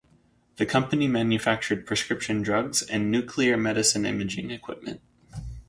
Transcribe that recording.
The company manufactured prescription drugs and nuclear medicine imaging equipment.